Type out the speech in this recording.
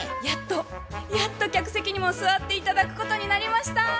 やっとやっと客席にも座って頂くことになりました。